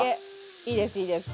いいですいいです。